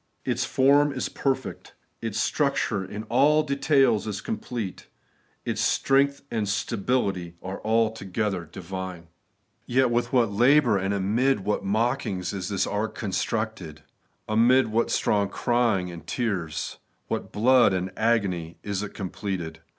Its form is perfect ; its structure in all details is complete ; its strength and stability are altogether divine. Yet The Completeness of the Svistitution. 35 with what labour and amid what mockings is this ark constructed ! Amid what strong crying and tears, what blood and agony, is it completed